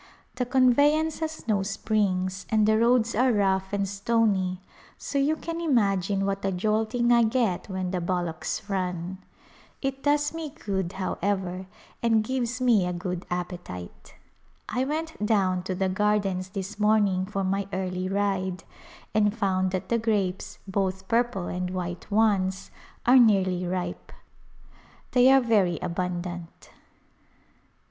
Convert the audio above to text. The conveyance A Pilgrimage has no springs and the roads are rough and stony so you can imagine what a jolting I get when the bul locks run. It does me good, however, and gives me a good appetite. I went down to the gardens this morning for my early ride and found that the grapes — both purple and white ones — are nearly ripe. They are very abundant.